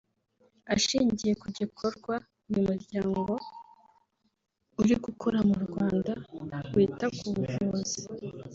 Ashingiye ku gikorwa uyu muryango uri gukora mu Rwanda wita ku buvuzi